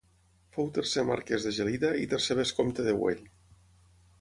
Fou tercer Marquès de Gelida i tercer Vescomte de Güell.